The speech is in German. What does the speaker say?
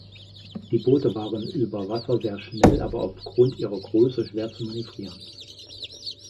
Die Boote waren über Wasser sehr schnell, aber aufgrund ihrer Größe schwer zu manövrieren.